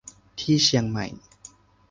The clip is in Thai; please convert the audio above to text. ที่เชียงใหม่